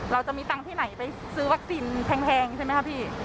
เราจะมีตังค์ที่ไหนไปซื้อวัคซีนแพงใช่ไหมครับพี่